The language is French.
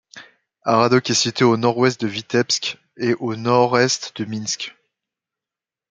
Haradok est située à au nord-ouest de Vitebsk et à au nord-est de Minsk.